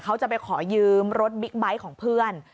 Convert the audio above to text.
เขาจะไปขอยืมรถบิ๊กไบท์ของเพื่อน